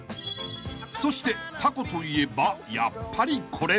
［そしてタコといえばやっぱりこれ］